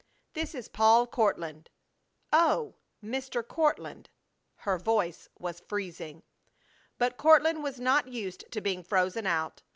"This is Paul Courtland!" "Oh! Mr. Courtland!" Her voice was freezing. But Courtland was not used to being frozen out.